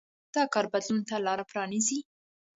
دا کار بدلون ته لار پرانېزي.